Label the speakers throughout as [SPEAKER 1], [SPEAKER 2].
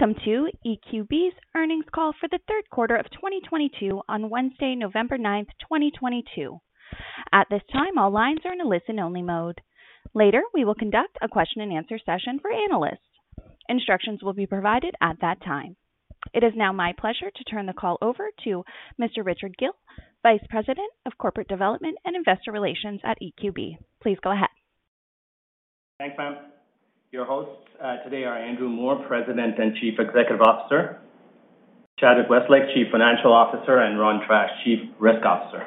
[SPEAKER 1] Welcome to EQB's earnings call for the third quarter of 2022 on Wednesday, November 9th, 2022. At this time, all lines are in a listen-only mode. Later, we will conduct a question-and-answer session for analysts. Instructions will be provided at that time. It is now my pleasure to turn the call over to Mr. Richard Gill, Vice President of Corporate Development and Investor Relations at EQB. Please go ahead.
[SPEAKER 2] Thanks, ma'am. Your hosts today are Andrew Moor, President and Chief Executive Officer, Chadwick Westlake, Chief Financial Officer, and Ron Tratch, Chief Risk Officer.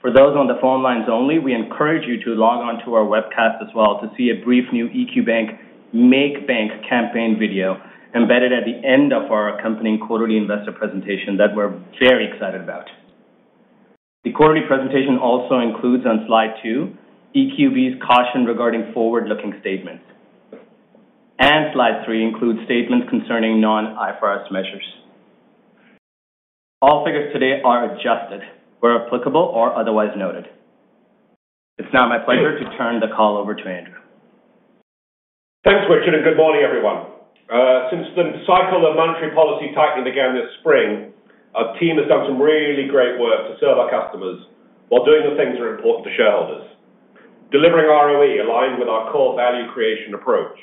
[SPEAKER 2] For those on the phone lines only, we encourage you to log on to our webcast as well to see a brief new EQ Bank Make Bank campaign video embedded at the end of our accompanying quarterly investor presentation that we're very excited about. The quarterly presentation also includes on slide two, EQB's caution regarding forward-looking statements, and slide three includes statements concerning non-IFRS measures. All figures today are adjusted where applicable or otherwise noted. It's now my pleasure to turn the call over to Andrew.
[SPEAKER 3] Thanks, Richard, and good morning, everyone. Since the cycle of monetary policy tightening began this spring, our team has done some really great work to serve our customers while doing the things that are important to shareholders. Delivering ROE aligned with our core value creation approach,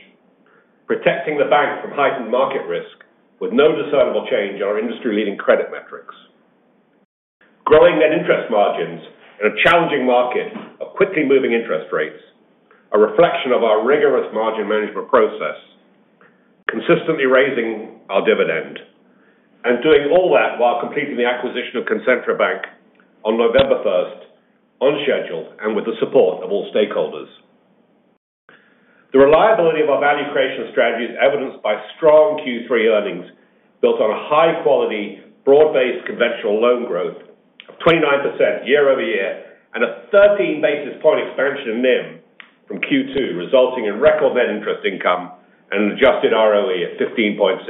[SPEAKER 3] protecting the bank from heightened market risk with no discernible change in our industry-leading credit metrics, growing net interest margins in a challenging market of quickly moving interest rates, a reflection of our rigorous margin management process, consistently raising our dividend, and doing all that while completing the acquisition of Concentra Bank on November 1st, on schedule, and with the support of all stakeholders. The reliability of our value creation strategy is evidenced by strong Q3 earnings built on a high-quality, broad-based conventional loan growth of 29% year over year and a 13-basis-point expansion in NIM from Q2, resulting in record net interest income and an adjusted ROE of 15.6%.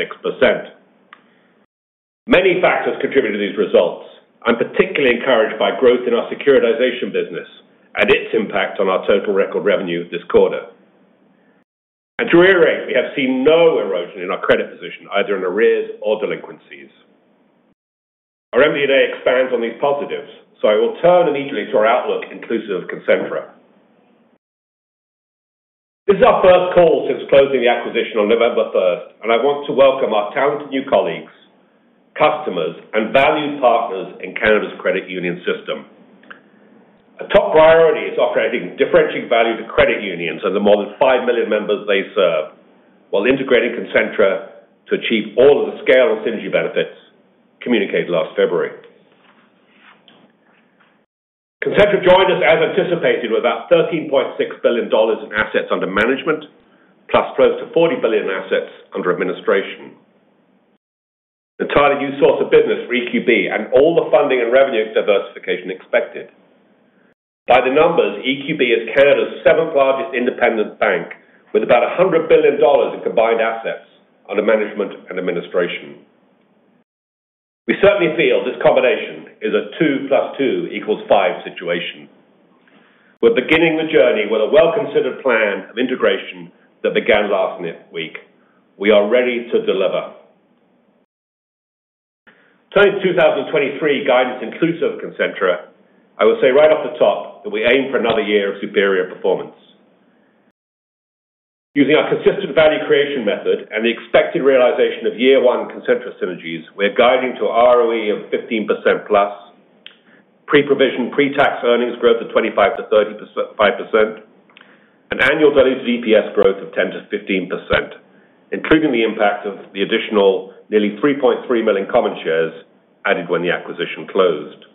[SPEAKER 3] Many factors contribute to these results. I'm particularly encouraged by growth in our securitization business and its impact on our total record revenue this quarter. To reiterate, we have seen no erosion in our credit position, either in arrears or delinquencies. Our MD&A expands on these positives, so I will turn immediately to our outlook inclusive of Concentra. This is our first call since closing the acquisition on November 1st, and I want to welcome our talented new colleagues, customers, and valued partners in Canada's credit union system. A top priority is offering differentiating value to credit unions and the more than 5 million members they serve while integrating Concentra to achieve all of the scale and synergy benefits communicated last February. Concentra joined us as anticipated with about CAD 13.6 billion in assets under management, plus close to CAD 40 billion in assets under administration. Entirely new source of business for EQB and all the funding and revenue diversification expected. By the numbers, EQB is Canada's seventh-largest independent bank with about 100 billion dollars in combined assets under management and administration. We certainly feel this combination is a 2 + 2 = 5 situation. We're beginning the journey with a well-considered plan of integration that began last week. We are ready to deliver. Turning to 2023 guidance inclusive of Concentra, I will say right off the top that we aim for another year of superior performance. Using our consistent value creation method and the expected realization of year-one Concentra synergies, we're guiding to an ROE of 15%+, pre-provision, pre-tax earnings growth of 25%-35%, an annual value to EPS growth of 10%-15%, including the impact of the additional nearly 3.3 million common shares added when the acquisition closed.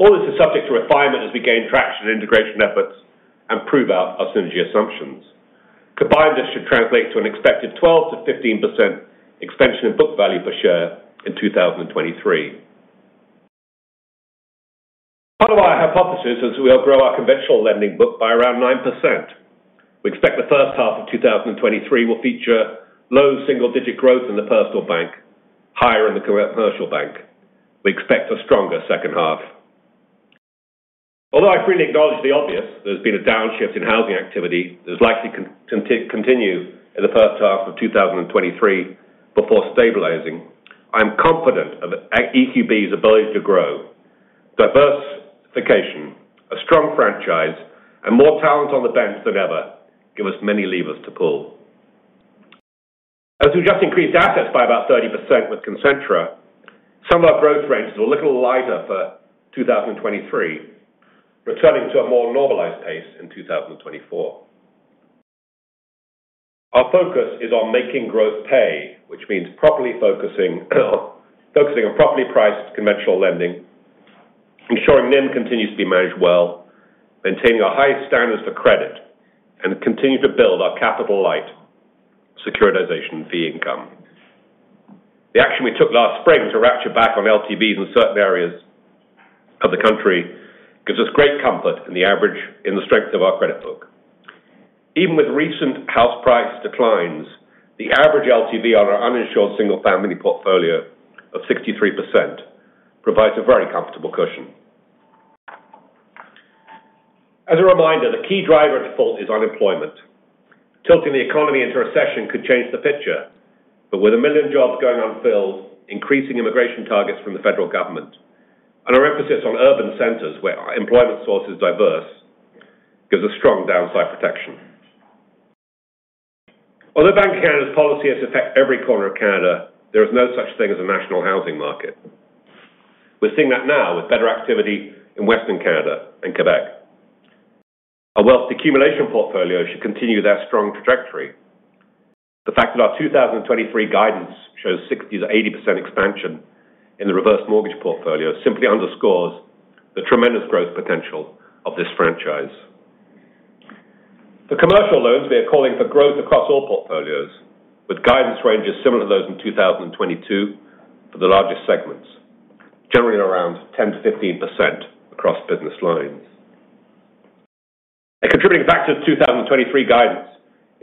[SPEAKER 3] All this is subject to refinement as we gain traction in integration efforts and prove out our synergy assumptions. Combined, this should translate to an expected 12%-15% expansion in book value per share in 2023. Part of our hypothesis is we'll grow our conventional lending book by around 9%. We expect the first half of 2023 will feature low single-digit growth in the personal bank, higher in the commercial bank. We expect a stronger second half. Although I freely acknowledge the obvious, there's been a downshift in housing activity that is likely to continue in the first half of 2023 before stabilizing. I'm confident of EQB's ability to grow. Diversification, a strong franchise, and more talent on the bench than ever give us many levers to pull. As we just increased assets by about 30% with Concentra, some of our growth ranges are a little lighter for 2023, returning to a more normalized pace in 2024. Our focus is on making growth pay, which means focusing on properly priced conventional lending, ensuring NIM continues to be managed well, maintaining our highest standards for credit, and continue to build our capital-light securitization fee income. The action we took last spring to ratchet back on LTVs in certain areas of the country gives us great comfort in the strength of our credit book. Even with recent house price declines, the average LTV on our uninsured single-family portfolio of 63% provides a very comfortable cushion. As a reminder, the key driver of default is unemployment. Tilting the economy into a recession could change the picture, but with a million jobs going unfilled, increasing immigration targets from the federal government and our emphasis on urban centers where employment source is diverse gives a strong downside protection. Although Bank of Canada's policy has affected every corner of Canada, there is no such thing as a national housing market. We're seeing that now with better activity in Western Canada and Quebec. Our wealth accumulation portfolio should continue their strong trajectory. The fact that our 2023 guidance shows 60%-80% expansion in the reverse mortgage portfolio simply underscores the tremendous growth potential of this franchise. For commercial loans, we are calling for growth across all portfolios, with guidance ranges similar to those in 2022 for the largest segments, generally around 10%-15% across business lines. A contributing factor to 2023 guidance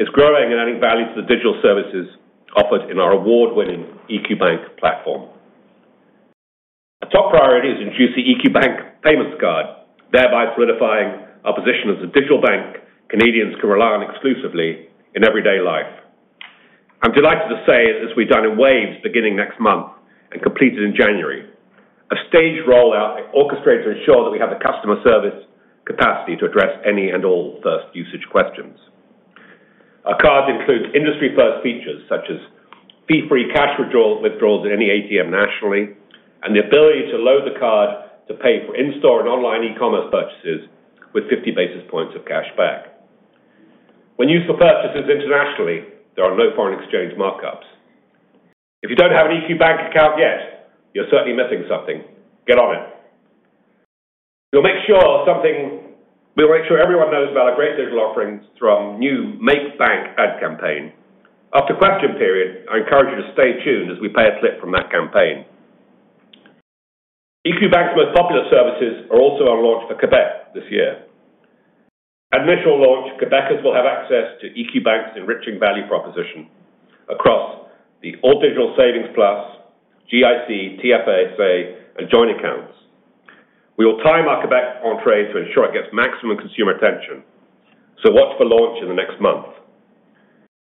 [SPEAKER 3] is growing and adding value to the digital services offered in our award-winning EQ Bank platform. A top priority is to introduce the EQ Bank payments card, thereby solidifying our position as a digital bank Canadians can rely on exclusively in everyday life. I'm delighted to say this will be done in waves beginning next month and completed in January, a staged rollout orchestrated to ensure that we have the customer service capacity to address any and all first usage questions. Our cards include industry-first features such as fee-free cash withdrawals at any ATM nationally, and the ability to load the card to pay for in-store and online e-commerce purchases with 50 basis points of cash back. When used for purchases internationally, there are no foreign exchange markups. If you don't have an EQ Bank account yet, you're certainly missing something. Get on it. We'll make sure everyone knows about our great digital offerings through our new Make Bank ad campaign. After question period, I encourage you to stay tuned as we play a clip from that campaign. EQ Bank's most popular services are also on launch for Quebec this year. At initial launch, Quebecers will have access to EQ Bank's enriching value proposition across the all-digital savings plus GIC, TFSA, and joint accounts. We will time our Quebec entrée to ensure it gets maximum consumer attention. Watch for launch in the next month.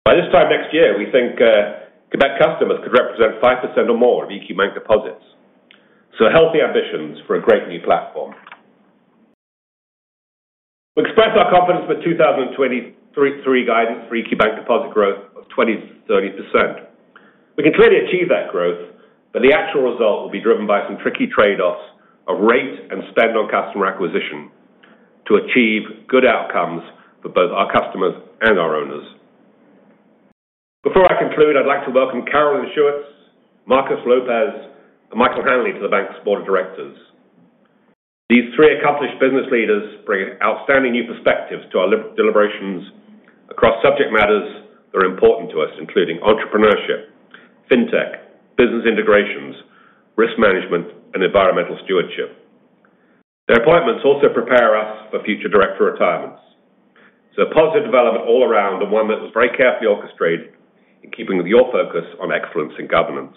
[SPEAKER 3] By this time next year, we think, Quebec customers could represent 5% or more of EQ Bank deposits. Healthy ambitions for a great new platform. We express our confidence with 2023 guidance for EQ Bank deposit growth of 20%-30%. We can clearly achieve that growth, but the actual result will be driven by some tricky trade-offs of rate and spend on customer acquisition to achieve good outcomes for both our customers and our owners. Before I conclude, I'd like to welcome Carolyn Schuetz, Marcos Lopez, and Michael Hanley to the bank's board of directors. These three accomplished business leaders bring outstanding new perspectives to our deliberations across subject matters that are important to us, including entrepreneurship, fintech, business integrations, risk management, and environmental stewardship. Their appointments also prepare us for future director retirements. It's a positive development all around and one that was very carefully orchestrated in keeping with your focus on excellence in governance.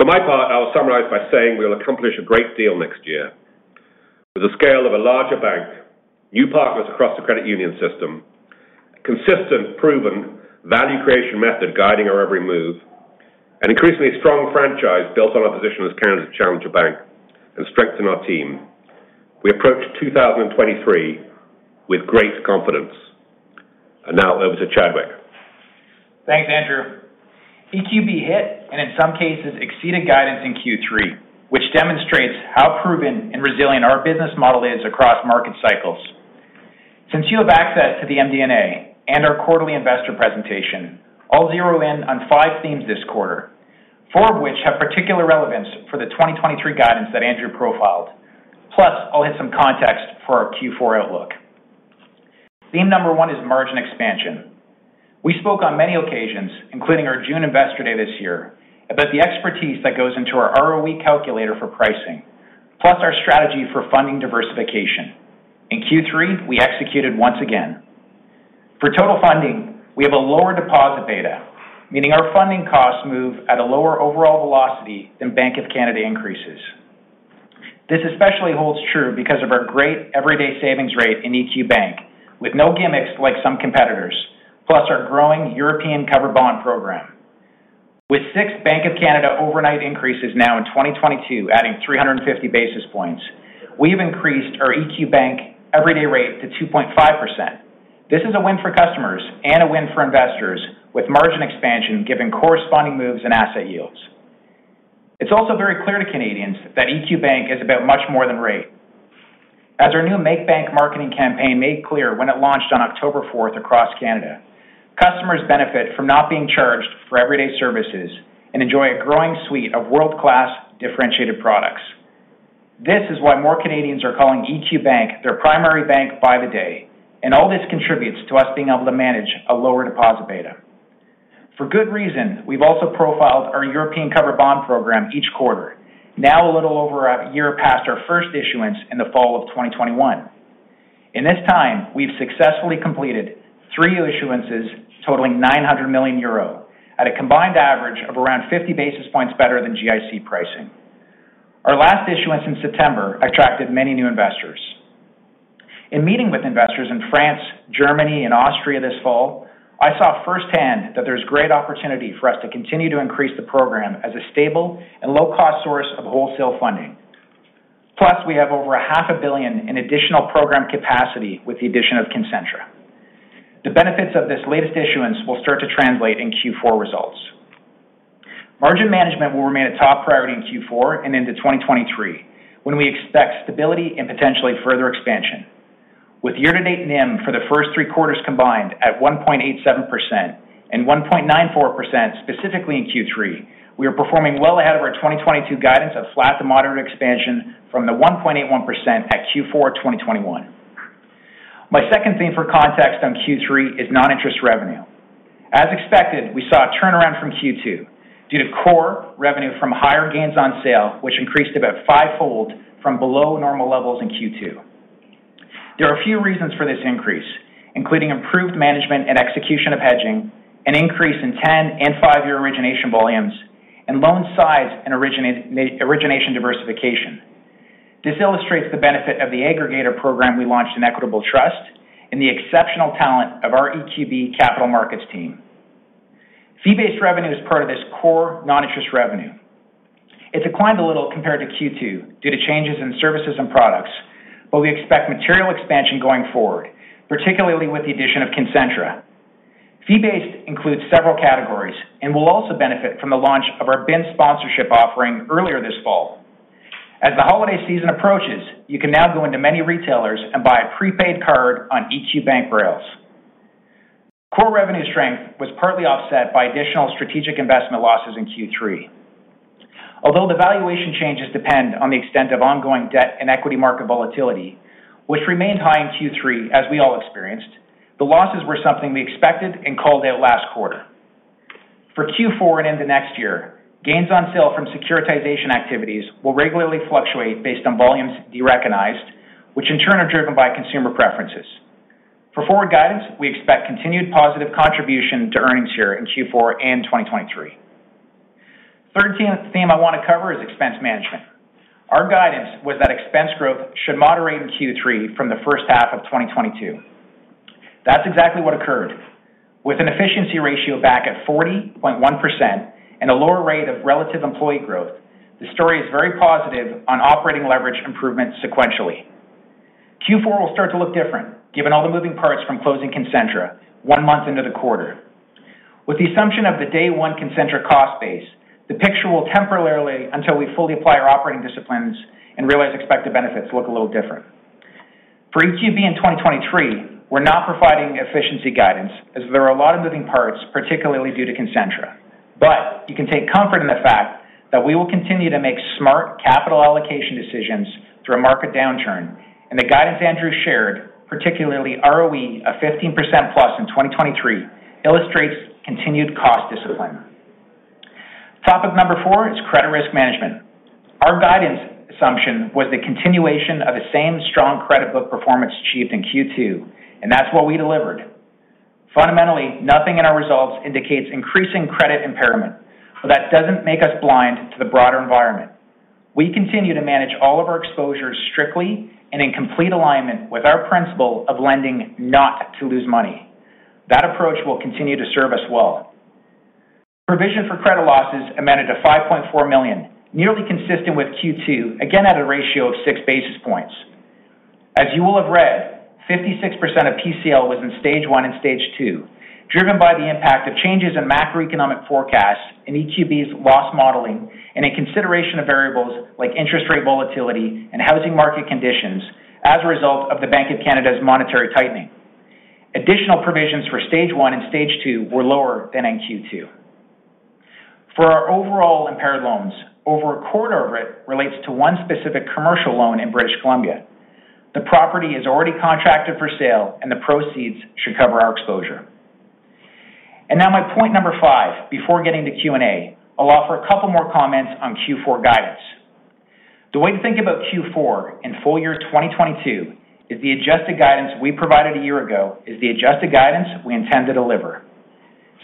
[SPEAKER 3] For my part, I will summarize by saying we'll accomplish a great deal next year. With the scale of a larger bank, new partners across the credit union system, consistent proven value creation method guiding our every move, an increasingly strong franchise built on our position as Canada's challenger bank, and strength in our team, we approach 2023 with great confidence. Now over to Chadwick.
[SPEAKER 4] Thanks, Andrew. EQB hit, and in some cases, exceeded guidance in Q3, which demonstrates how proven and resilient our business model is across market cycles. Since you have access to the MD&A and our quarterly investor presentation, I'll zero in on five themes this quarter, four of which have particular relevance for the 2023 guidance that Andrew profiled. Plus, I'll hit some context for our Q4 outlook. Theme number one is margin expansion. We spoke on many occasions, including our June Investor Day this year, about the expertise that goes into our ROE calculator for pricing, plus our strategy for funding diversification. In Q3, we executed once again. For total funding, we have a lower deposit beta, meaning our funding costs move at a lower overall velocity than Bank of Canada increases. This especially holds true because of our great everyday savings rate in EQ Bank, with no gimmicks like some competitors, plus our growing European covered bond program. With six Bank of Canada overnight increases now in 2022 adding 350 basis points, we've increased our EQ Bank everyday rate to 2.5%. This is a win for customers and a win for investors, with margin expansion giving corresponding moves and asset yields. It's also very clear to Canadians that EQ Bank is about much more than rate. As our new Make Bank marketing campaign made clear when it launched on October 4th across Canada, customers benefit from not being charged for everyday services and enjoy a growing suite of world-class differentiated products. This is why more Canadians are calling EQ Bank their primary bank by the day, and all this contributes to us being able to manage a lower deposit beta. For good reason, we've also profiled our European covered bond program each quarter. Now a little over a year past our first issuance in the fall of 2021. In this time, we've successfully completed three issuances totaling 900 million euro at a combined average of around 50 basis points better than GIC pricing. Our last issuance in September attracted many new investors. In meeting with investors in France, Germany, and Austria this fall, I saw firsthand that there's great opportunity for us to continue to increase the program as a stable and low-cost source of wholesale funding. Plus, we have over 500,000,000 in additional program capacity with the addition of Concentra. The benefits of this latest issuance will start to translate in Q4 results. Margin management will remain a top priority in Q4 and into 2023, when we expect stability and potentially further expansion. With year-to-date NIM for the first three quarters combined at 1.87% and 1.94% specifically in Q3, we are performing well ahead of our 2022 guidance of flat-to-moderate expansion from the 1.81% at Q4 2021. My second theme for context on Q3 is non-interest revenue. As expected, we saw a turnaround from Q2 due to core revenue from higher gains on sale, which increased about fivefold from below normal levels in Q2. There are a few reasons for this increase, including improved management and execution of hedging, an increase in 10- and five-year origination volumes, and loan size and origination diversification. This illustrates the benefit of the aggregator program we launched in Equitable Trust and the exceptional talent of our EQB Capital Markets team. Fee-based revenue is part of this core non-interest revenue. It's declined a little compared to Q2 due to changes in services and products, but we expect material expansion going forward, particularly with the addition of Concentra. Fee-based includes several categories and will also benefit from the launch of our BIN sponsorship offering earlier this fall. As the holiday season approaches, you can now go into many retailers and buy a prepaid card on EQ Bank rails. Core revenue strength was partly offset by additional strategic investment losses in Q3. Although the valuation changes depend on the extent of ongoing debt and equity market volatility, which remained high in Q3 as we all experienced, the losses were something we expected and called out last quarter. For Q4 and into next year, gains on sale from securitization activities will regularly fluctuate based on volumes derecognized, which in turn are driven by consumer preferences. For forward guidance, we expect continued positive contribution to earnings here in Q4 and 2023. Third theme I want to cover is expense management. Our guidance was that expense growth should moderate in Q3 from the first half of 2022. That's exactly what occurred. With an efficiency ratio back at 40.1% and a lower rate of relative employee growth, the story is very positive on operating leverage improvement sequentially. Q4 will start to look different given all the moving parts from closing Concentra one month into the quarter. With the assumption of the day one Concentra cost base, the picture will temporarily, until we fully apply our operating disciplines and realize expected benefits, look a little different. For EQB in 2023, we're not providing efficiency guidance as there are a lot of moving parts, particularly due to Concentra. You can take comfort in the fact that we will continue to make smart capital allocation decisions through a market downturn, and the guidance Andrew shared, particularly ROE of 15%+ in 2023, illustrates continued cost discipline. Topic number four is credit risk management. Our guidance assumption was the continuation of the same strong credit book performance achieved in Q2, and that's what we delivered. Fundamentally, nothing in our results indicates increasing credit impairment, but that doesn't make us blind to the broader environment. We continue to manage all of our exposures strictly and in complete alignment with our principle of lending not to lose money. That approach will continue to serve us well. Provision for credit losses amounted to 5.4 million, nearly consistent with Q2, again at a ratio of six basis points. As you will have read, 56% of PCL was in Stage One and Stage Two, driven by the impact of changes in macroeconomic forecasts in EQB's loss modeling and in consideration of variables like interest rate volatility and housing market conditions as a result of the Bank of Canada's monetary tightening. Additional provisions for Stage One and Stage Two were lower than in Q2. For our overall impaired loans, over a quarter of it relates to one specific commercial loan in British Columbia. The property is already contracted for sale, and the proceeds should cover our exposure. Now my point number five before getting to Q&A, I'll offer a couple more comments on Q4 guidance. The way to think about Q4 and full year 2022 is the adjusted guidance we provided a year ago is the adjusted guidance we intend to deliver.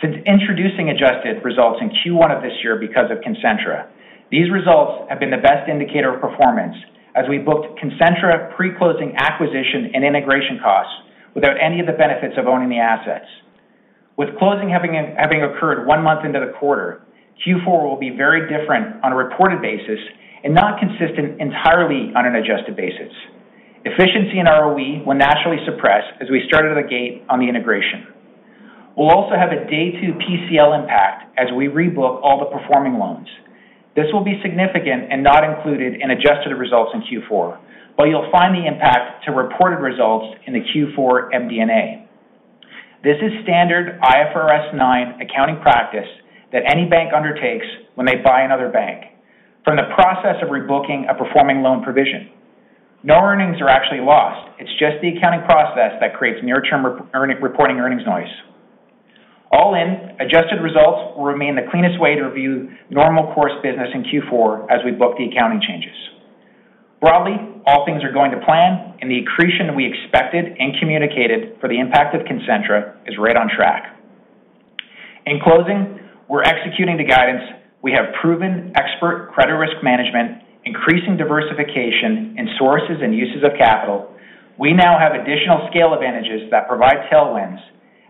[SPEAKER 4] Since introducing adjusted results in Q1 of this year because of Concentra, these results have been the best indicator of performance as we booked Concentra pre-closing acquisition and integration costs without any of the benefits of owning the assets. With closing having occurred one month into the quarter, Q4 will be very different on a reported basis and not consistent entirely on an adjusted basis. Efficiency in ROE will naturally suppress as we start out of the gate on the integration. We'll also have a day two PCL impact as we rebook all the performing loans. This will be significant and not included in adjusted results in Q4, but you'll find the impact to reported results in the Q4 MD&A. This is standard IFRS 9 accounting practice that any bank undertakes when they buy another bank from the process of rebooking a performing loan provision. No earnings are actually lost. It's just the accounting process that creates near-term reporting earnings noise. All in, adjusted results will remain the cleanest way to review normal course business in Q4 as we book the accounting changes. Broadly, all things are going to plan and the accretion we expected and communicated for the impact of Concentra is right on track. In closing, we're executing the guidance. We have proven expert credit risk management, increasing diversification in sources and uses of capital. We now have additional scale advantages that provide tailwinds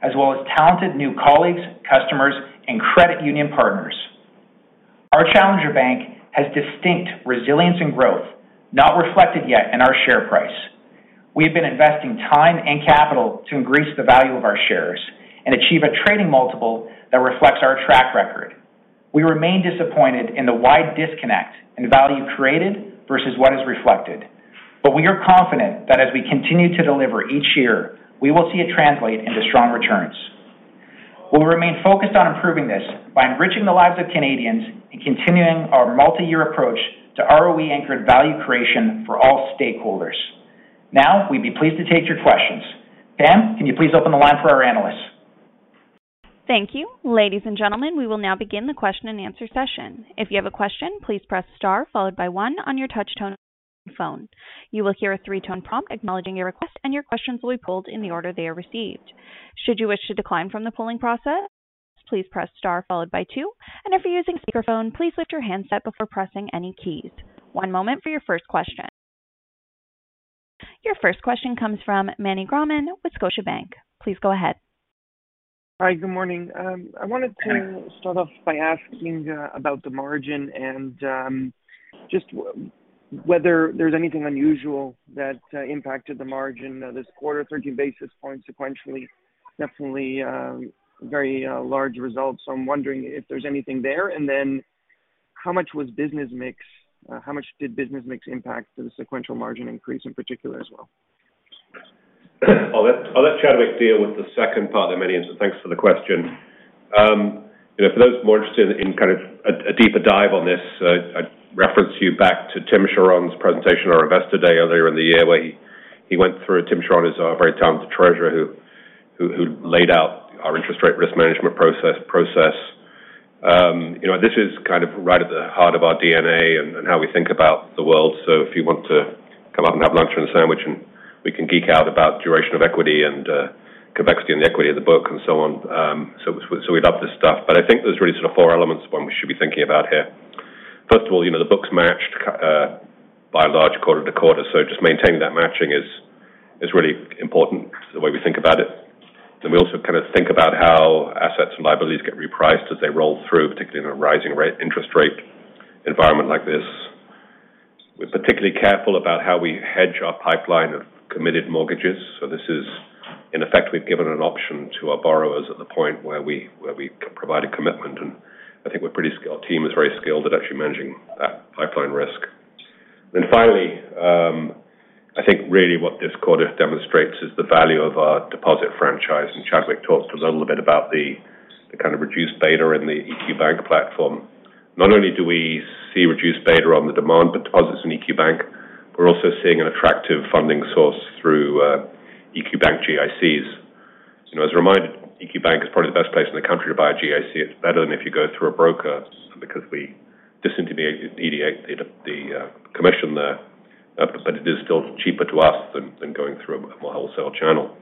[SPEAKER 4] as well as talented new colleagues, customers, and credit union partners. Our challenger bank has distinct resilience and growth not reflected yet in our share price. We have been investing time and capital to increase the value of our shares and achieve a trading multiple that reflects our track record. We remain disappointed in the wide disconnect in value created versus what is reflected, but we are confident that as we continue to deliver each year, we will see it translate into strong returns. We'll remain focused on improving this by enriching the lives of Canadians and continuing our multi-year approach to ROE-anchored value creation for all stakeholders. Now we'd be pleased to take your questions. Pam, can you please open the line for our analysts?
[SPEAKER 1] Thank you. Ladies and gentlemen, we will now begin the question-and-answer session. If you have a question, please press star followed by one on your touch-tone phone. You will hear a three-tone prompt acknowledging your request, and your questions will be pulled in the order they are received. Should you wish to decline from the polling process, please press star followed by two. If you're using a speakerphone, please lift your handset before pressing any keys. One moment for your first question. Your first question comes from Meny Grauman with Scotiabank. Please go ahead.
[SPEAKER 5] Hi. Good morning. I wanted to start off by asking about the margin and just whether there's anything unusual that impacted the margin this quarter, 30 basis points sequentially, definitely very large results. I'm wondering if there's anything there. How much did business mix impact the sequential margin increase in particular as well?
[SPEAKER 3] I'll let Chadwick deal with the second part, Meny. Thanks for the question. For those more interested in kind of a deeper dive on this, I'd reference you back to Tim Charron's presentation on our Investor Day earlier in the year, where he went through. Tim Charron is our very talented treasurer who laid out our interest rate risk management process. You know, this is kind of right at the heart of our DNA and how we think about the world. If you want to come out and have lunch or a sandwich, and we can geek out about duration of equity and convexity and the equity of the book and so on. We love this stuff, but I think there's really sort of four elements, one we should be thinking about here. First of all, you know, the books matched by and large quarter-to-quarter. Just maintaining that matching is really important the way we think about it. We also kind of think about how assets and liabilities get repriced as they roll through, particularly in a rising rate, interest rate environment like this. We're particularly careful about how we hedge our pipeline of committed mortgages. This is in effect, we've given an option to our borrowers at the point where we provide a commitment, and I think we're pretty skilled. Our team is very skilled at actually managing that pipeline risk. Finally, I think really what this quarter demonstrates is the value of our deposit franchise. Chadwick talked a little bit about the kind of reduced beta in the EQ Bank platform. Not only do we see reduced beta on deposit demand, but deposits in EQ Bank, we're also seeing an attractive funding source through EQ Bank GICs. You know, as a reminder, EQ Bank is probably the best place in the country to buy a GIC. It's better than if you go through a broker because we disintermediate the commission there. But it is still cheaper to us than going through a more wholesale channel.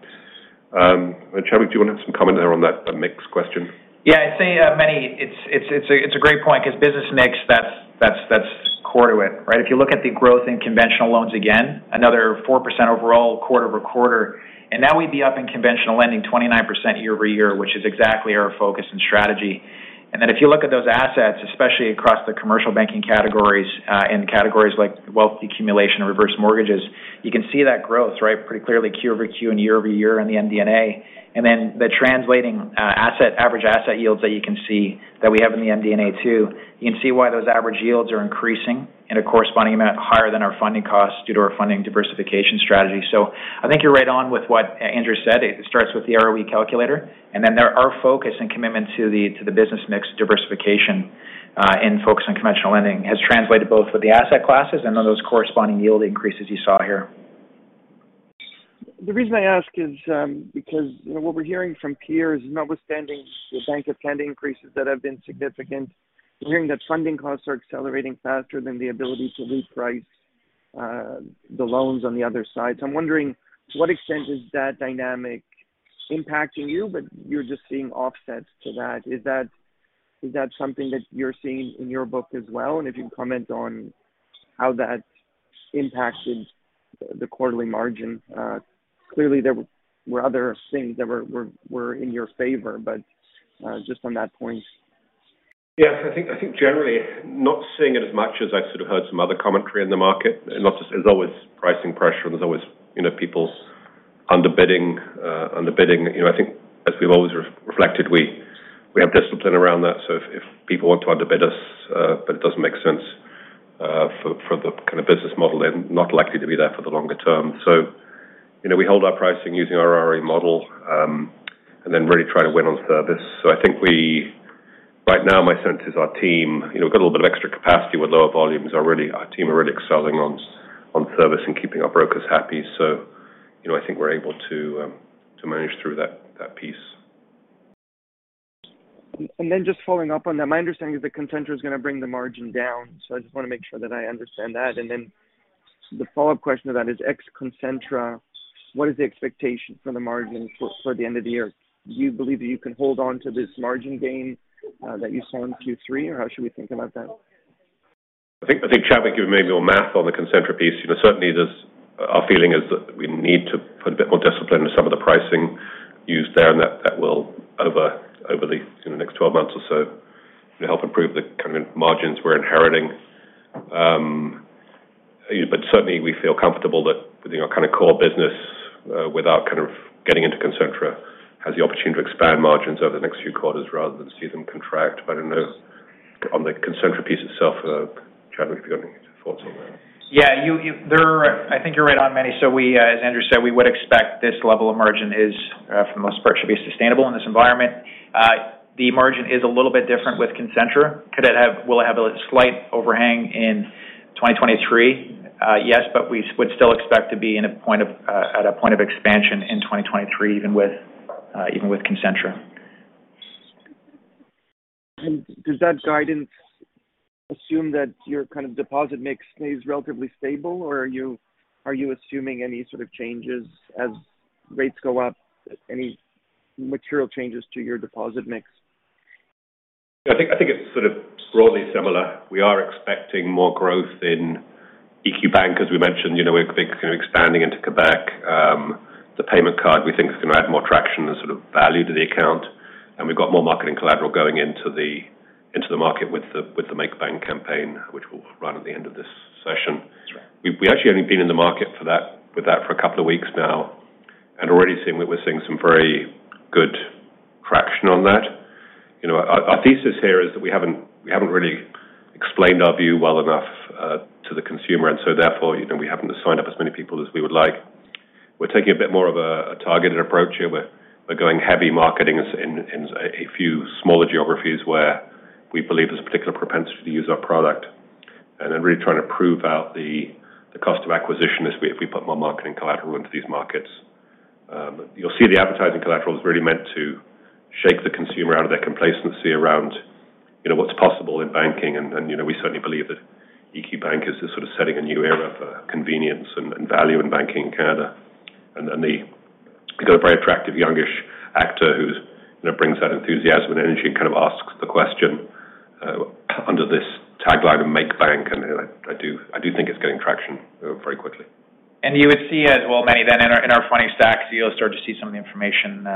[SPEAKER 3] Chadwick, do you want to have some comment there on that mix question?
[SPEAKER 4] Yeah, I'd say, Meny, it's a great point because business mix, that's core to it, right? If you look at the growth in conventional loans, again, another 4% overall quarter-over-quarter, and now we'd be up in conventional lending 29% year-over-year, which is exactly our focus and strategy. If you look at those assets, especially across the commercial banking categories, and categories like wealth accumulation and reverse mortgages, you can see that growth, right, pretty clearly Q-over-Q and year-over-year in the MD&A. The translating asset average asset yields that you can see that we have in the MD&A too. You can see why those average yields are increasing in a corresponding amount higher than our funding costs due to our funding diversification strategy. I think you're right on with what Andrew said. It starts with the ROE calculator, and then there are focus and commitment to the business mix diversification, and focus on conventional lending has translated both with the asset classes and on those corresponding yield increases you saw here.
[SPEAKER 5] The reason I ask is because what we're hearing from peers, notwithstanding the Bank of Canada increases that have been significant, we're hearing that funding costs are accelerating faster than the ability to reprice the loans on the other side. I'm wondering to what extent is that dynamic impacting you, but you're just seeing offsets to that? Is that something that you're seeing in your book as well? If you can comment on how that impacted the quarterly margin. Clearly, there were other things that were in your favor, but just on that point.
[SPEAKER 3] Yes, I think generally not seeing it as much as I sort of heard some other commentary in the market. There's always pricing pressure and there's always, you know, people underbidding. You know, I think as we've always reflected, we have discipline around that. If people want to underbid us, but it doesn't make sense, for the kind of business model, they're not likely to be there for the longer term. You know, we hold our pricing using our ROE model, and then really try to win on service. I think right now my sense is our team, you know, got a little bit of extra capacity with lower volumes already. Our team are really excelling on service and keeping our brokers happy. You know, I think we're able to manage through that piece.
[SPEAKER 5] Just following up on that, my understanding is that Concentra is gonna bring the margin down. So I just wanna make sure that I understand that. The follow-up question to that is ex Concentra, what is the expectation for the margin for the end of the year? Do you believe that you can hold on to this margin gain, that you saw in Q3, or how should we think about that?
[SPEAKER 3] I think Chadwick can do more math on the Concentra piece. You know, certainly our feeling is that we need to put a bit more discipline to some of the pricing used there, and that will over the next 12 months or so to help improve the kind of margins we're inheriting. You know, certainly we feel comfortable that you know, core business without getting into Concentra has the opportunity to expand margins over the next few quarters rather than see them contract. I don't know on the Concentra piece itself, Chadwick, if you got any thoughts on that?
[SPEAKER 4] I think you're right on, Meny. We, as Andrew said, we would expect this level of margin is, for the most part should be sustainable in this environment. The margin is a little bit different with Concentra. Will it have a slight overhang in 2023? Yes, but we would still expect to be at a point of expansion in 2023 even with Concentra.
[SPEAKER 5] Does that guidance assume that your kind of deposit mix stays relatively stable, or are you assuming any sort of changes as rates go up, any material changes to your deposit mix?
[SPEAKER 3] I think it's sort of broadly similar. We are expecting more growth in EQ Bank. As we mentioned, you know, we're big, you know, expanding into Québec. The payment card we think is gonna add more traction and sort of value to the account. We've got more marketing collateral going into the market with the Make Bank campaign, which will run at the end of this session. We actually only been in the market with that for a couple of weeks now, and we're seeing some very good traction on that. You know, our thesis here is that we haven't really explained our view well enough to the consumer, and so therefore, you know, we happen to sign up as many people as we would like. We're taking a bit more of a targeted approach here. We're going heavy marketing in a few smaller geographies where we believe there's a particular propensity to use our product. Then really trying to prove out the cost of acquisition if we put more marketing collateral into these markets. You'll see the advertising collateral is really meant to shake the consumer out of their complacency around, you know, what's possible in banking. You know, we certainly believe that EQ Bank is just sort of setting a new era for convenience and value in banking in Canada. Then we've got a very attractive youngish actor who, you know, brings that enthusiasm and energy and kind of asks the question under this tagline of Make Bank. I do think it's getting traction very quickly.
[SPEAKER 4] You would see as well, Meny, then in our funding stacks, you'll start to see some of the information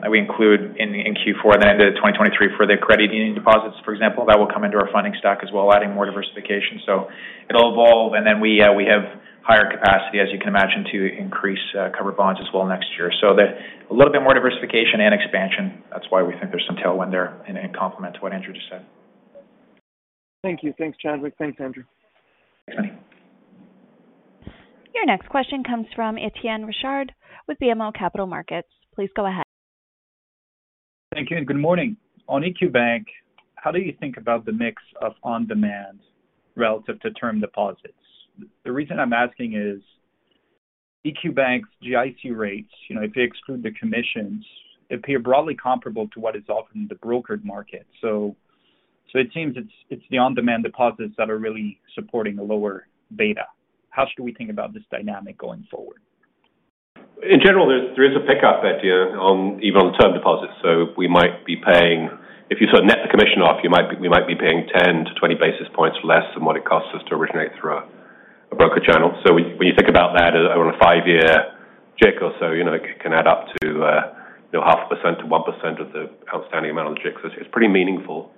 [SPEAKER 4] that we include in Q4 2023 for the credit union deposits, for example. That will come into our funding stack as well, adding more diversification. It'll evolve. Then we have higher capacity, as you can imagine, to increase covered bonds as well next year. There's a little bit more diversification and expansion, that's why we think there's some tailwind there and in complement to what Andrew just said.
[SPEAKER 5] Thank you. Thanks, Chadwick. Thanks, Andrew.
[SPEAKER 3] Thanks, Meny.
[SPEAKER 1] Your next question comes from Étienne Ricard with BMO Capital Markets. Please go ahead.
[SPEAKER 6] Thank you and good morning. On EQ Bank, how do you think about the mix of on-demand relative to term deposits? The reason I'm asking is EQ Bank's GIC rates, you know, if you exclude the commissions, appear broadly comparable to what is offered in the brokered market. It seems it's the on-demand deposits that are really supporting the lower beta. How should we think about this dynamic going forward?
[SPEAKER 3] In general, there is a pickup, Étienne, on term deposits. We might be paying, if you sort of net the commission off, we might be paying 10-20 basis points less than what it costs us to originate through a broker channel. When you think about that over a five-year GIC or so, you know, it can add up to, you know, 0.5%-1% of the outstanding amount of the GIC. It's pretty meaningful.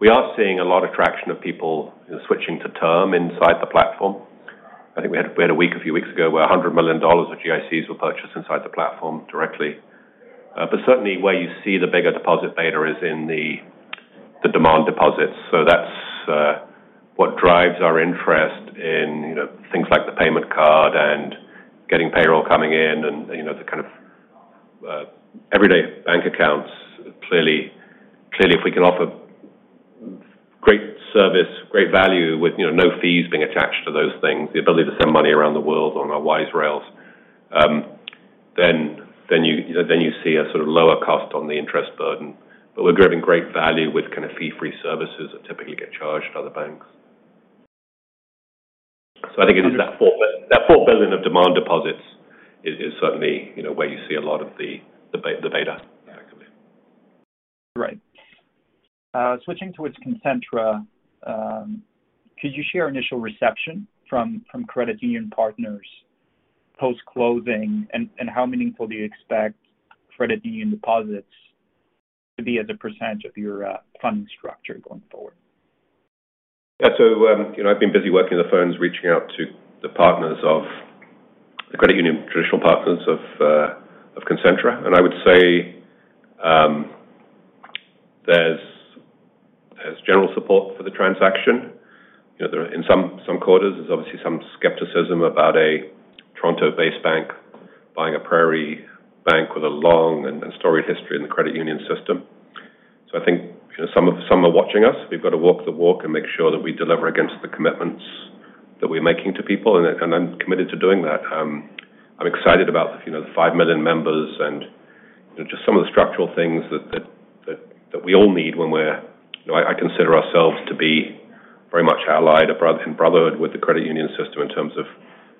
[SPEAKER 3] We are seeing a lot of traction of people switching to term inside the platform. I think we had a week a few weeks ago where 100 million dollars of GICs were purchased inside the platform directly. Certainly where you see the bigger deposit beta is in the demand deposits. That's what drives our interest in, you know, things like the payment card and getting payroll coming in and, you know, the kind of everyday bank accounts. Clearly, if we can offer great service, great value with, you know, no fees being attached to those things, the ability to send money around the world on our Wise Rails, then you see a sort of lower cost on the interest burden. But we're driving great value with kind of fee-free services that typically get charged at other banks. I think it is that 4 billion of demand deposits is certainly, you know, where you see a lot of the beta coming in.
[SPEAKER 6] Right. Switching towards Concentra, could you share initial reception from credit union partners post-closing? How meaningful do you expect credit union deposits to be as a percent of your funding structure going forward?
[SPEAKER 3] Yeah. I've been busy working the phones, reaching out to the partners of the credit union, traditional partners of Concentra. I would say, there's general support for the transaction. You know, there are in some quarters, there's obviously some skepticism about a Toronto-based bank buying a prairie bank with a long and storied history in the credit union system. I think, you know, some are watching us. We've got to walk the walk and make sure that we deliver against the commitments that we're making to people, and I'm committed to doing that. I'm excited about, you know, the 5 million members and, you know, just some of the structural things that we all need when we're, you know, I consider ourselves to be very much allied in brotherhood with the credit union system in terms of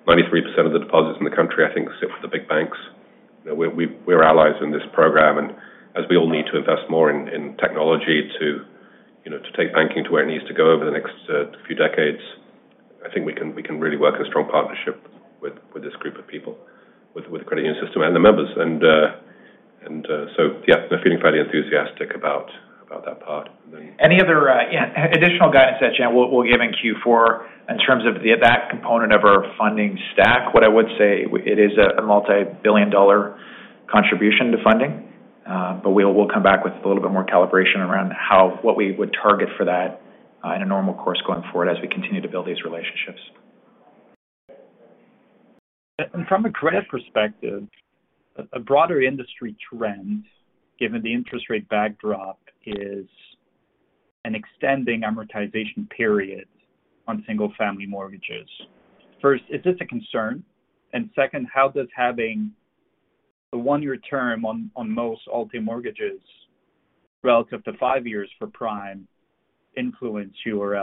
[SPEAKER 3] 93% of the deposits in the country, I think, sit with the big banks. You know, we're allies in this program. We all need to invest more in technology to, you know, to take banking to where it needs to go over the next few decades. I think we can really work a strong partnership with this group of people, with the credit union system and the members. Yeah, they're feeling fairly enthusiastic about that part.
[SPEAKER 4] Any other additional guidance that we'll give in Q4 in terms of that component of our funding stack. What I would say, it is a multi-billion dollar contribution to funding, but we'll come back with a little bit more calibration around what we would target for that in a normal course going forward as we continue to build these relationships.
[SPEAKER 6] From a credit perspective, a broader industry trend, given the interest rate backdrop, is an extending amortization period on single-family mortgages. First, is this a concern? Second, how does having a one-year term on most Alt-A mortgages relative to five years for prime influence your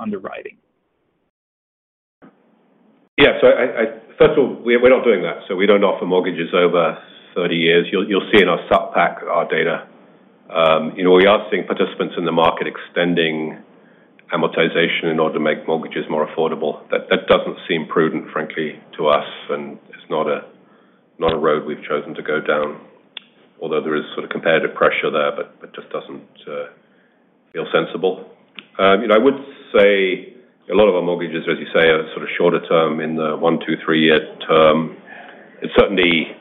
[SPEAKER 6] underwriting?
[SPEAKER 3] I—First of all, we're not doing that, so we don't offer mortgages over 30 years. You'll see in our sup pack our data. You know, we are seeing participants in the market extending amortization in order to make mortgages more affordable. That doesn't seem prudent, frankly, to us, and it's not a road we've chosen to go down. Although there is sort of competitive pressure there, but it just doesn't feel sensible. You know, I would say a lot of our mortgages, as you say, are sort of shorter term in the one-, two-, three-year term. It certainly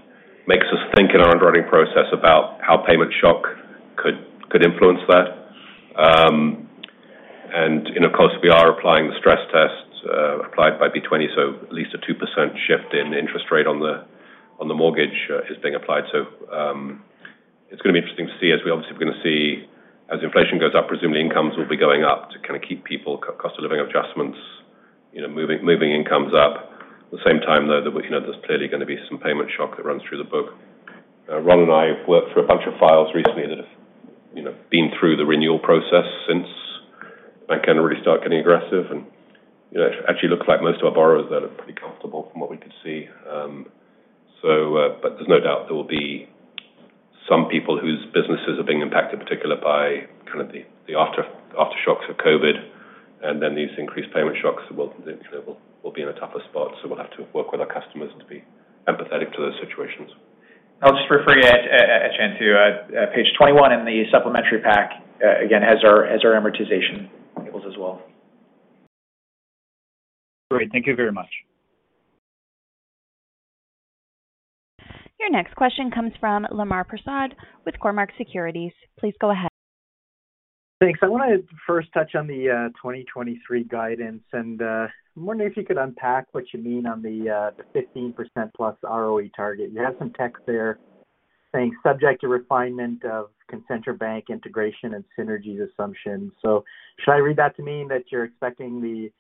[SPEAKER 3] makes us think in our underwriting process about how payment shock could influence that. You know, of course, we are applying the stress tests applied by B-20, so at least a 2% shift in interest rate on the mortgage is being applied. It's gonna be interesting to see as inflation goes up, presumably incomes will be going up to kind of keep people cost of living adjustments, you know, moving incomes up. At the same time, though, you know, there's clearly gonna be some payment shock that runs through the book. Ron and I have worked through a bunch of files recently that have, you know, been through the renewal process since banks kind of really start getting aggressive. You know, it actually looks like most of our borrowers there are pretty comfortable from what we could see. There's no doubt there will be some people whose businesses are being impacted, particularly by kind of the aftershocks of COVID. These increased payment shocks will, you know, be in a tougher spot, so we'll have to work with our customers to be empathetic to those situations.
[SPEAKER 4] I'll just briefly add, Étienne, to page 21 in the supplementary pack again has our amortization tables as well.
[SPEAKER 6] Great. Thank you very much.
[SPEAKER 1] Your next question comes from Lemar Persaud with Cormark Securities. Please go ahead.
[SPEAKER 7] Thanks. I wanna first touch on the 2023 guidance, and I'm wondering if you could unpack what you mean on the 15%+ ROE target. You have some text there saying subject to refinement of Concentra Bank integration and synergies assumptions. Should I read that to mean that you're expecting the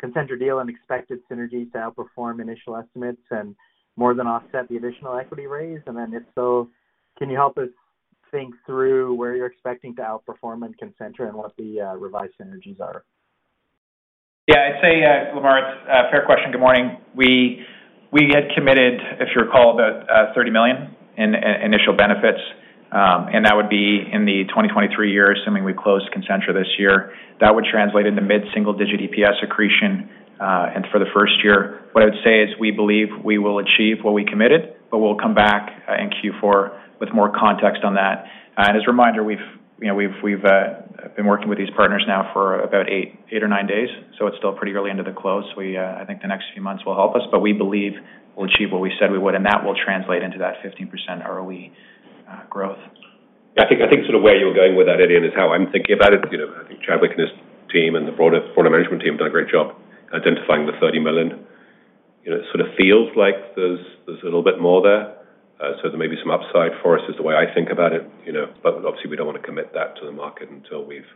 [SPEAKER 7] Concentra deal and expected synergies to outperform initial estimates and more than offset the additional equity raise? If so, can you help us think through where you're expecting to outperform in Concentra and what the revised synergies are?
[SPEAKER 4] I'd say, Lamar, it's a fair question. Good morning. We had committed, if you recall, about 30 million in initial benefits. And that would be in the 2023 year, assuming we close Concentra this year. That would translate into mid-single-digit EPS accretion, and for the first year. What I would say is we believe we will achieve what we committed, but we'll come back in Q4 with more context on that. As a reminder, we've, you know, we've been working with these partners now for about eight or nine days, so it's still pretty early into the close. I think the next few months will help us, but we believe we'll achieve what we said we would, and that will translate into that 15% ROE growth.
[SPEAKER 3] Yeah. I think sort of where you're going with that, John Aiken, is how I'm thinking about it. You know, I think Chadwick and his team and the broader management team have done a great job identifying the 30 million. You know, it sort of feels like there's a little bit more there. So there may be some upside for us is the way I think about it, you know. But obviously, we don't want to commit that to the market until we've,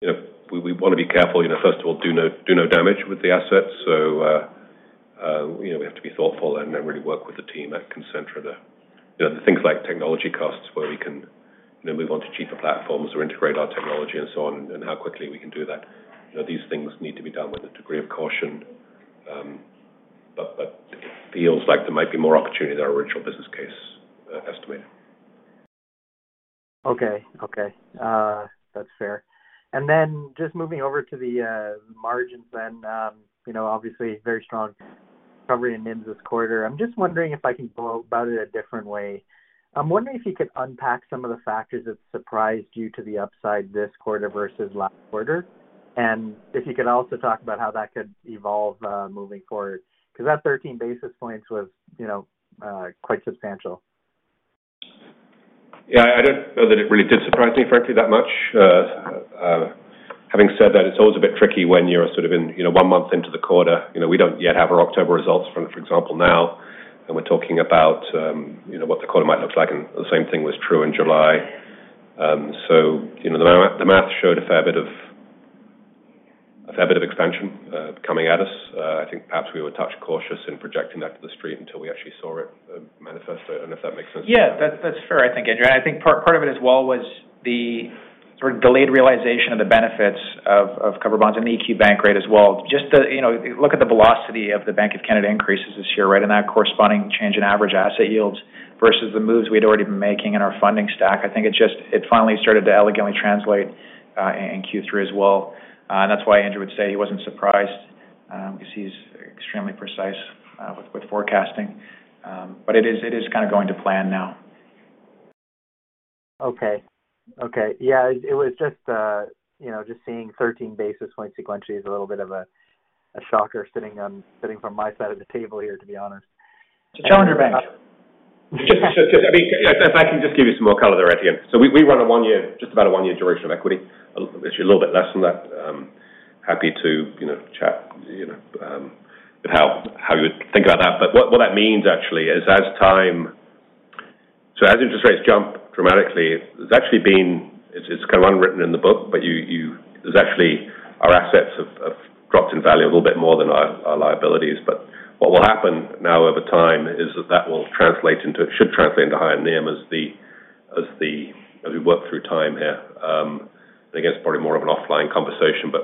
[SPEAKER 3] you know, we wanna be careful, you know, first of all, do no damage with the assets. So, you know, we have to be thoughtful and really work with the team at Concentra. You know, the things like technology costs where we can, you know, move on to cheaper platforms or integrate our technology and so on, and how quickly we can do that. You know, these things need to be done with a degree of caution. It feels like there might be more opportunity than our original business case estimated.
[SPEAKER 7] Okay. That's fair. Just moving over to the margins then, you know, obviously very strong recovery in NIM this quarter. I'm just wondering if I can go about it a different way. I'm wondering if you could unpack some of the factors that surprised you to the upside this quarter versus last quarter, and if you could also talk about how that could evolve moving forward. 'Cause that 13 basis points was, you know, quite substantial.
[SPEAKER 3] Yeah, I don't know that it really did surprise me, frankly, that much. Having said that, it's always a bit tricky when you're sort of in, you know, one month into the quarter. You know, we don't yet have our October results from, for example, now, and we're talking about, you know, what the quarter might look like, and the same thing was true in July. So, you know, the math showed a fair bit of expansion coming at us. I think perhaps we were a touch cautious in projecting that to the street until we actually saw it manifest. I don't know if that makes sense.
[SPEAKER 4] Yeah. That's fair, I think, Andrew. I think part of it as well was the sort of delayed realization of the benefits of covered bonds and the EQ Bank rate as well. Just the, you know, look at the velocity of the Bank of Canada increases this year, right? That corresponding change in average asset yields versus the moves we'd already been making in our funding stack. I think it finally started to elegantly translate in Q3 as well. That's why Andrew would say he wasn't surprised, 'cause he's extremely precise with forecasting. But it is kind of going to plan now.
[SPEAKER 7] Okay. Yeah, it was just, you know, just seeing 13 basis points sequentially is a little bit of a shocker sitting from my side of the table here, to be honest. [It's a challenger bank.]
[SPEAKER 3] I mean, if I can just give you some more color there, [Lemar]. We run just about a one-year duration of equity. Actually, a little bit less than that. Happy to, you know, chat, you know, about how you would think about that. What that means actually is as interest rates jump dramatically. It's kind of unwritten in the book. Our assets have actually dropped in value a little bit more than our liabilities. What will happen now over time is that it should translate into higher NIM as we work through time here. I think that's probably more of an offline conversation.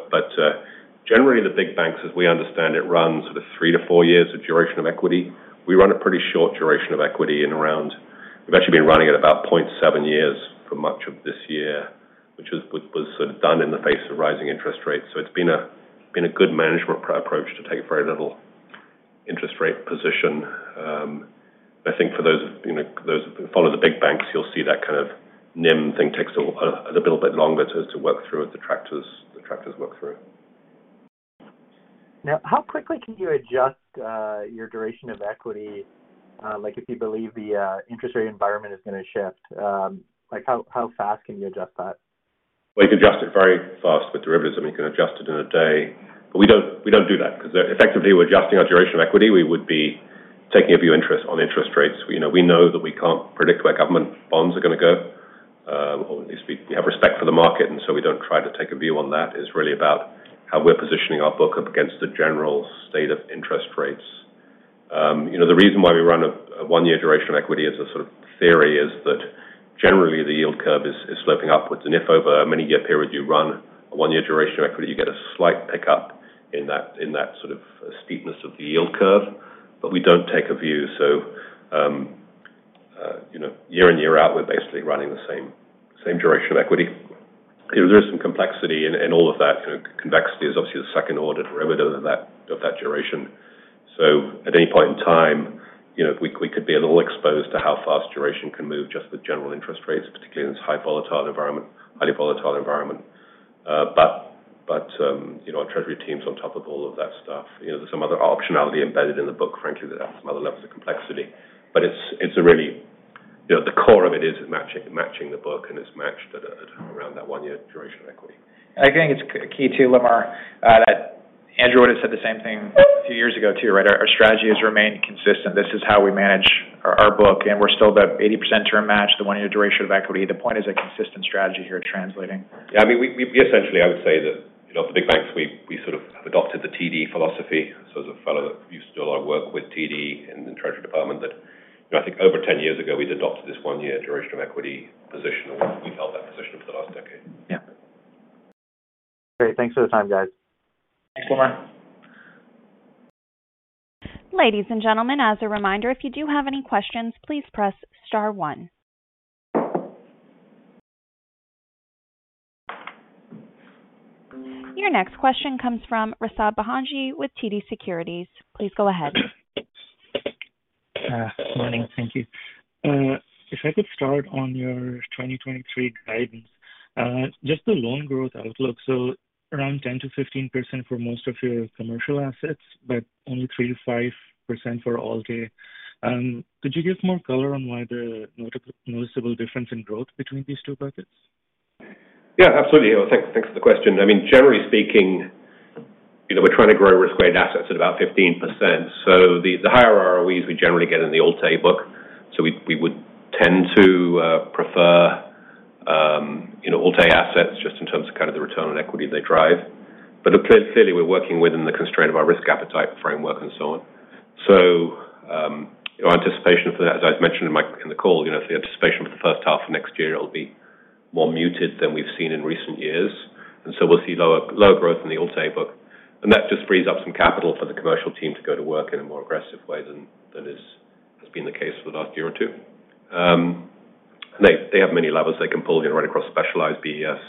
[SPEAKER 3] Generally the big banks, as we understand it, run with a three-four years of duration of equity. We run a pretty short duration of equity in around. We've actually been running at about 0.7 years for much of this year, which was sort of done in the face of rising interest rates. It's been a good management approach to take a very little interest rate position. I think for those of, you know, those who follow the big banks, you'll see that kind of NIM thing takes a little bit longer to work through as the factors, the factors work through.
[SPEAKER 7] Now, how quickly can you adjust your duration of equity, like if you believe the interest rate environment is gonna shift? Like how fast can you adjust that?
[SPEAKER 3] Well, you can adjust it very fast with derivatives. I mean, you can adjust it in a day. We don't do that because effectively we're adjusting our duration of equity, we would be taking a view on interest rates. You know, we know that we can't predict where government bonds are gonna go, or at least we have respect for the market, and so we don't try to take a view on that. It's really about how we're positioning our book up against the general state of interest rates. You know, the reason why we run a one-year duration of equity as a sort of theory is that generally the yield curve is sloping upwards. If over a many-year period you run a one-year duration of equity, you get a slight pickup in that, in that sort of steepness of the yield curve. We don't take a view. You know, year in, year out, we're basically running the same duration of equity. You know, there is some complexity in all of that. You know, convexity is obviously the second order derivative of that duration. At any point in time, you know, we could be a little exposed to how fast duration can move just with general interest rates, particularly in this highly volatile environment. You know, our treasury team's on top of all of that stuff. You know, there's some other optionality embedded in the book, frankly, that adds some other levels of complexity. It's a really you know, the core of it is matching the book, and it's matched at around that one-year duration equity.
[SPEAKER 4] I think it's key too, Lemar, that Andrew would've said the same thing a few years ago too, right? Our strategy has remained consistent. This is how we manage our book, and we're still about 80% term match, the one-year duration of equity. The point is a consistent strategy here translating.
[SPEAKER 3] Yeah. I mean, we essentially, I would say that, you know, for the big banks, we sort of have adopted the TD philosophy. As a fellow that used to do a lot of work with TD in the treasury department that, you know, I think over 10 years ago we'd adopted this one-year duration of equity position, and we've held that position for the last decade.
[SPEAKER 7] Great. Thanks for the time, guys.
[SPEAKER 4] Thanks, Lemar.
[SPEAKER 1] Ladies and gentlemen, as a reminder, if you do have any questions, please press star one. Your next question comes from Rasib Bhanji with TD Securities. Please go ahead.
[SPEAKER 8] Good morning. Thank you. If I could start on your 2023 guidance, just the loan growth outlook, around 10%-15% for most of your commercial assets, but only 3%-5% for Alt-A. Could you give more color on why the noticeable difference in growth between these two buckets?
[SPEAKER 3] Yeah, absolutely. Thanks for the question. I mean, generally speaking, you know, we're trying to grow risk-weighted assets at about 15%. The higher ROEs we generally get in the Alt-A book, so we would tend to prefer, you know, Alt-A assets just in terms of kind of the return on equity they drive. But clearly we're working within the constraint of our risk appetite framework and so on. Our anticipation for that, as I've mentioned in the call, you know, so the anticipation for the first half of next year, it'll be more muted than we've seen in recent years. We'll see lower growth in the Alt-A book. That just frees up some capital for the commercial team to go to work in a more aggressive way than has been the case for the last year or two. They have many levers they can pull, you know, right across specialized BES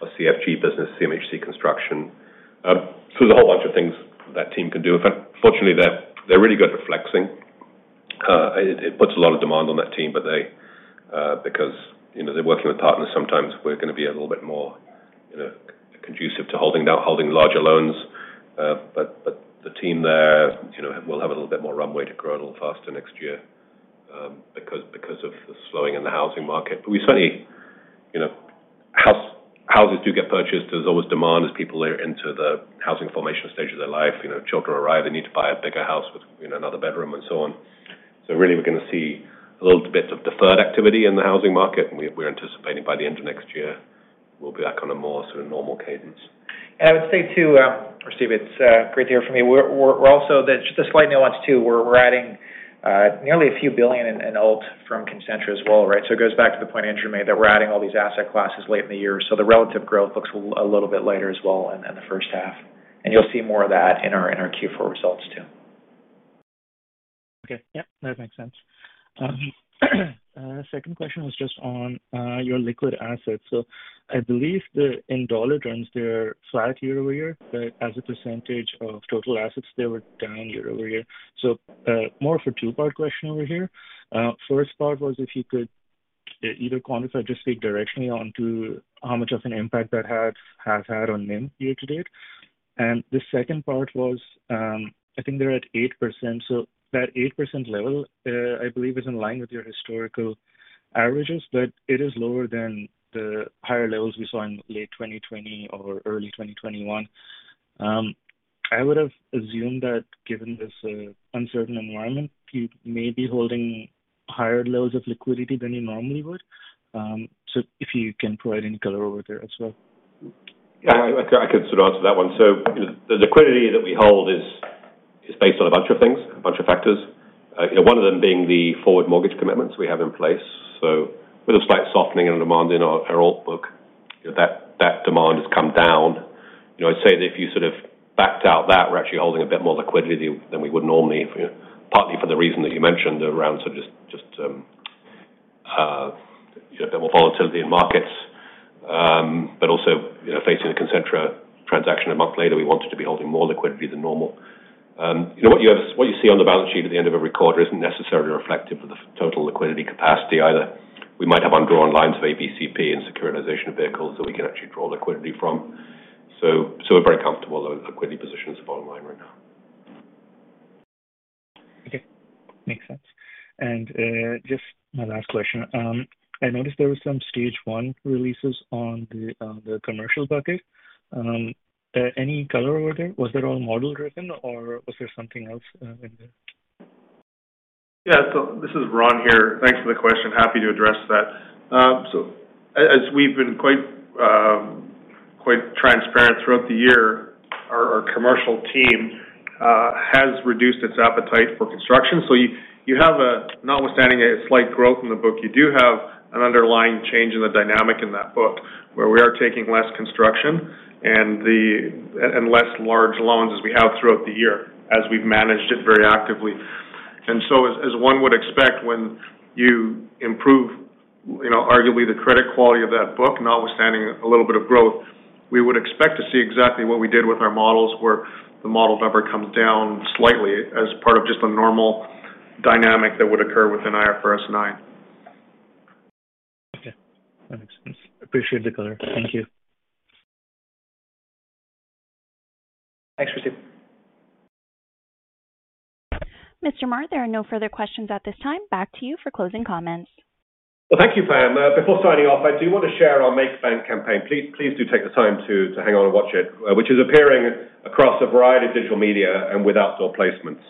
[SPEAKER 3] or CFG business, CMHC construction. There's a whole bunch of things that team can do. In fact, fortunately, they're really good at flexing. It puts a lot of demand on that team, but because, you know, they're working with partners, sometimes we're gonna be a little bit more, you know, conducive to holding now, holding larger loans. The team there, you know, we'll have a little bit more runway to grow a little faster next year, because of the slowing in the housing market. We certainly, you know, houses do get purchased. There's always demand as people enter the housing formation stage of their life. You know, children arrive, they need to buy a bigger house with, you know, another bedroom and so on. Really we're gonna see a little bit of deferred activity in the housing market, and we're anticipating by the end of next year we'll be back on a more sort of normal cadence.
[SPEAKER 4] I would say too, Rasib, it's great to hear from you. We're also just a slight nuance too, we're adding nearly a few billion in ALT from Concentra as well, right? So it goes back to the point Andrew made, that we're adding all these asset classes late in the year, so the relative growth looks a little bit lighter as well in the first half. You'll see more of that in our Q4 results too.
[SPEAKER 8] Okay. Yep, that makes sense. Second question was just on your liquid assets. I believe they're, in dollar terms, they're flat year-over-year, but as a percentage of total assets, they were down year-over-year. More of a two-part question over here. First part was if you could either quantify, just speak directionally onto how much of an impact that has had on NIM year-to-date. The second part was, I think they're at 8%, so that 8% level, I believe is in line with your historical averages, but it is lower than the higher levels we saw in late 2020 or early 2021. I would've assumed that given this uncertain environment, you may be holding higher levels of liquidity than you normally would. If you can provide any color over there as well.
[SPEAKER 3] I can sort of answer that one. You know, the liquidity that we hold is based on a bunch of things, a bunch of factors. You know, one of them being the forward mortgage commitments we have in place. With a slight softening in demand in our ALT book, you know, that demand has come down. You know, I'd say that if you sort of backed out that we're actually holding a bit more liquidity than we would normally for, you know, partly for the reason that you mentioned around sort of just, you know, a bit more volatility in markets. Also, you know, facing the Concentra transaction a month later, we wanted to be holding more liquidity than normal. You know, what you see on the balance sheet at the end of a record isn't necessarily reflective of the total liquidity capacity either. We might have undrawn lines of ABCP and securitization vehicles that we can actually draw liquidity from. We're very comfortable our liquidity position is bottom line right now.
[SPEAKER 8] Okay. Makes sense. Just my last question. I noticed there was some Stage One releases on the commercial bucket. Any color over there? Was that all model driven or was there something else in there?
[SPEAKER 9] Yeah. This is Ron here. Thanks for the question. Happy to address that. We've been quite transparent throughout the year. Our commercial team has reduced its appetite for construction. You have notwithstanding a slight growth in the book, you do have an underlying change in the dynamic in that book where we are taking less construction and and less large loans as we have throughout the year as we've managed it very actively. As one would expect when you improve, you know, arguably the credit quality of that book, notwithstanding a little bit of growth, we would expect to see exactly what we did with our models where the model number comes down slightly as part of just a normal dynamic that would occur within IFRS 9.
[SPEAKER 8] Okay. That makes sense. Appreciate the color. Thank you.
[SPEAKER 4] Thanks, Rasib.
[SPEAKER 1] Mr. Moor, there are no further questions at this time. Back to you for closing comments.
[SPEAKER 3] Well, thank you, Pam. Before signing off, I do want to share our Make Bank campaign. Please do take the time to hang on and watch it, which is appearing across a variety of digital media and with outdoor placements.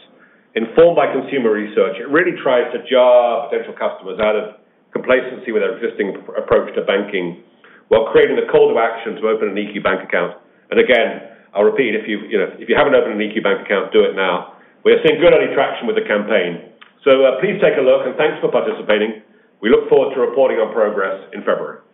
[SPEAKER 3] Informed by consumer research, it really tries to jar potential customers out of complacency with their existing approach to banking while creating a call to action to open an EQ Bank account. Again, I'll repeat, if you haven't opened an EQ Bank account, do it now. We are seeing good early traction with the campaign. Please take a look and thanks for participating. We look forward to reporting our progress in February.